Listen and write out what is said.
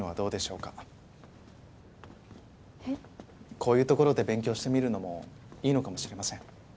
こういう所で勉強してみるのもいいのかもしれません。